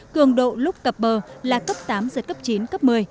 cường độ lúc cập bờ là cấp tám giật cấp chín cấp một mươi